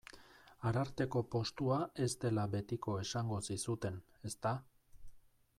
Ararteko postua ez dela betiko esango zizuten, ezta?